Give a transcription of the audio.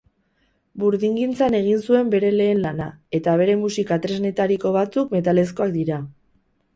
Burdingintzan egin zuen bere lehen lana, eta bere musika-tresnetariko batzuk metalezkoak dira.